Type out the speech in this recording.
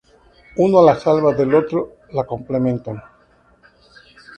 Uno la salva del otro, la complementan.